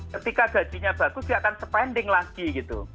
ketika gajinya bagus dia akan spending lagi gitu